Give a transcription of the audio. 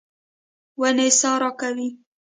ونې سا راکوي.